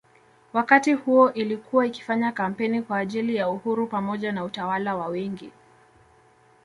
Wakati huo ilikuwa ikifanya kampeni kwa ajili ya uhuru pamoja na utawala wa wengi